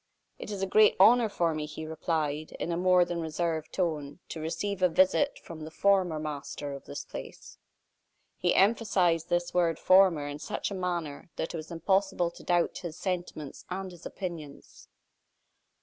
"It is a great honor for me," he replied, in a more than reserved tone, "to receive a visit from the former master of this place." He emphasized this word "former" in such a manner that it was impossible to doubt his sentiments and his opinions.